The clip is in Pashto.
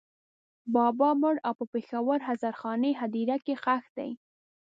بابا مړ او په پېښور هزارخانۍ هدېره کې ښخ دی.